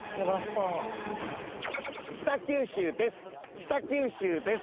北九州です